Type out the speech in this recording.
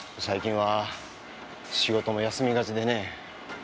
最近は仕事も休みがちでねえ。